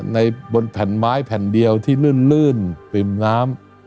บนแผ่นไม้แผ่นเดียวที่ลื่นปริ่มน้ำ